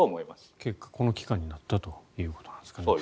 結果、この期間になったということなんですかね。